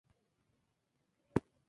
Brooks discute si la señal Wow!